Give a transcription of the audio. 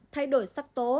thay đổi sắc tố